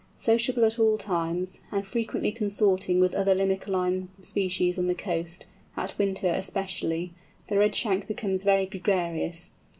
Sociable at all times, and freely consorting with other Limicoline species on the coast, in winter, especially, the Redshank becomes very gregarious.